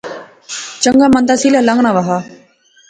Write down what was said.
چنگا مندا سیلا لنگنا وہا